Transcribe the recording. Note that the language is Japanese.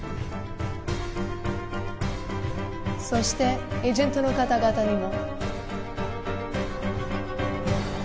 そしてエージェントの方々にも。